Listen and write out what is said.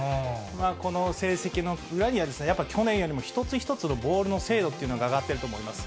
この成績の裏には、やっぱ去年よりも一つ一つのボールの精度というのが上がっていると思います。